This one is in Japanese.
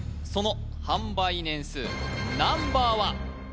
その販売年数ナンバーは？